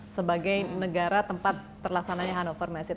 sebagai negara tempat terlaksananya handover masjid